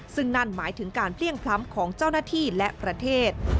ซึ่งนั่นหมายถึงการเพลี่ยงพล้ำของเจ้าหน้าที่และประเทศ